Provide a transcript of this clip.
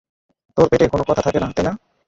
তোর পেটে কোনো কথা থাকে না, তাই না?